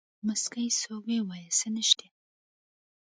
موسکى سو ويې ويل سه نيشتې.